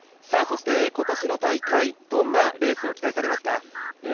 今年の大会、どんなレースを期待されますか？